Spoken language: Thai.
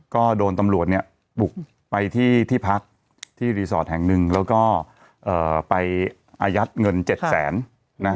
ก็โดนตำรวจเนี่ยบุกไปที่ที่พักที่รีสอร์ทแห่งหนึ่งแล้วก็ไปอายัดเงิน๗แสนนะ